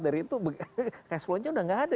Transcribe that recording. dari itu resplonnya sudah tidak ada